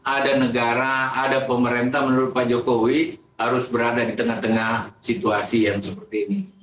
ada negara ada pemerintah menurut pak jokowi harus berada di tengah tengah situasi yang seperti ini